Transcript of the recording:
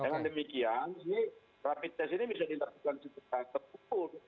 dengan demikian ini rapid test ini bisa dilakukan secara terukur